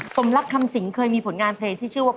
สมรักคำสิงเคยมีผลงานเพลงที่ชื่อว่า